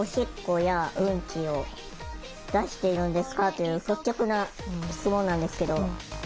という率直な質問なんですけど。